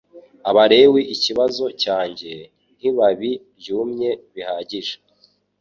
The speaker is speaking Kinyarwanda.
Abalewi ikibazo cyanjye, Nkibabi ryumye bihagije